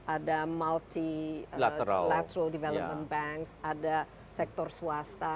ada multi lateral development bank ada sektor swasta